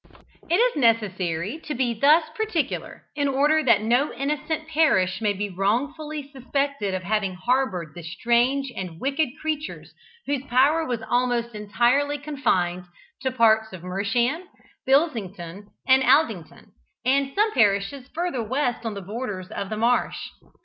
It is necessary to be thus particular, in order that no innocent parish may be wrongfully suspected of having harboured the strange and wicked creatures whose power was almost entirely confined to parts of Mersham, Bilsington and Aldington, and some parishes further west on the borders of the Marsh.